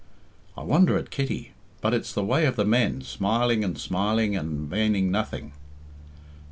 "I wonder at Kitty. But it's the way of the men, smiling and smiling and maning nothing."